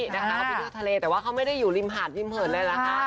เขาไปเที่ยวทะเลแต่ว่าเขาไม่ได้อยู่ริมหาดริมเหินเลยล่ะค่ะ